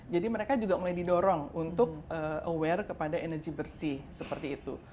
jadi mereka juga mulai didorong untuk aware kepada energy bersih seperti itu